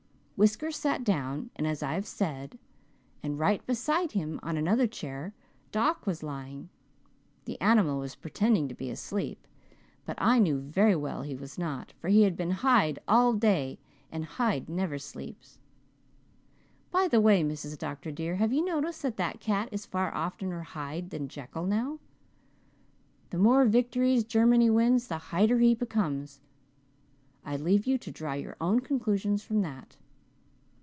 Whiskers sat down, as I have said, and right beside him on another chair Doc was lying. The animal was pretending to be asleep but I knew very well he was not, for he has been Hyde all day and Hyde never sleeps. By the way, Mrs. Dr. dear, have you noticed that that cat is far oftener Hyde than Jekyll now? The more victories Germany wins the Hyder he becomes. I leave you to draw your own conclusions from that.